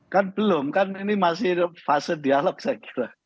kan belum kan ini masih fase dialog saya kira